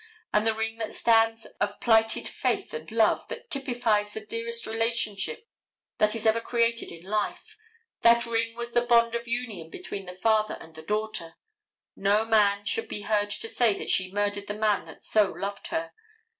And the ring that stands as the pledge of plighted faith and love, that typifies the dearest relationship that is ever created in life, that ring was the bond of union between the father and the daughter. No man should be heard to say that she murdered the man that so loved her.